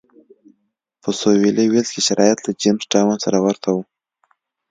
په سوېلي ویلز کې شرایط له جېمز ټاون سره ورته و.